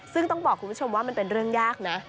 ซึ่งต้องบอกคุณผู้ชมว่ามันเป็นเรื่องยากนะ